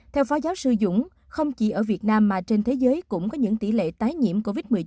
theo phó giáo sư dũng không chỉ ở việt nam mà trên thế giới cũng có những tỷ lệ tái nhiễm covid một mươi chín